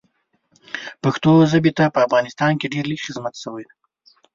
پښتو ژبې ته په افغانستان کې ډېر لږ خدمت شوی ده